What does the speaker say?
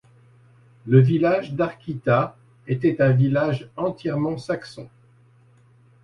Le village d'Archita était un village entièrement saxon.